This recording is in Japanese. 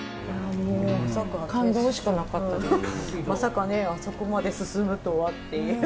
まさかねあそこまで進むとはっていう。